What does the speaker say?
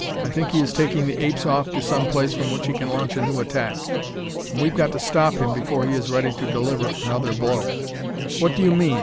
I think he is taking the apes off to some place from which he can launch a new attack. And we've got to stop him before he is ready to deliver another blow." "What do you mean?"